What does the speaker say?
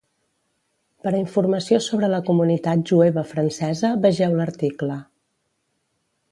Per a informació sobre la comunitat jueva francesa vegeu l'article: